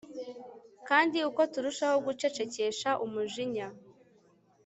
kandi uko turushaho gucecekesha umujinya